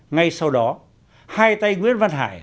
ngay sau đó hai tay nguyễn văn hải